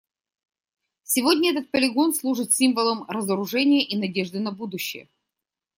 Сегодня этот полигон служит символом разоружения и надежды на будущее.